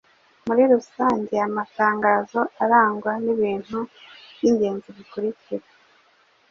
Muri rusange, amatangazo arangwa n’ibintu by’ingenzi bikurikira: